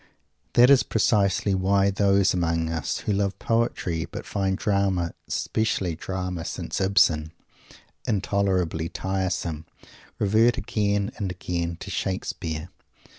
That is precisely why those among us who love "poetry," but find "drama," especially "drama since Ibsen," intolerably tiresome, revert again and again to Shakespeare.